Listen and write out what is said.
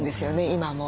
今も。